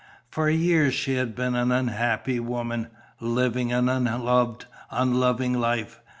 For years she had been an unhappy woman, living an unloved, unloving life.